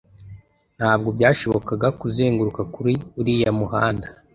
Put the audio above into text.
Ntabwo byashobokaga kuzenguruka kuri uriya muhanda